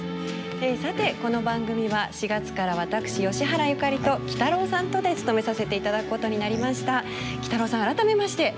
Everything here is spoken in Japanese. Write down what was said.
さてこの番組は４月から私吉原由香里ときたろうさんとで務めさせて頂くことになりました。きたろうさん改めまして。